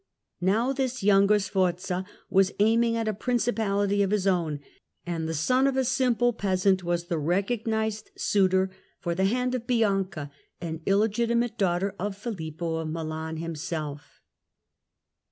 Now this younger Sforza was aiming at a Principahty of his own ; and the son of a simple peasant was the recognised suitor for the ITALY, 1382 1453 195 hand of Bianca, an illegitimate daughter of Filippo of Milan himself.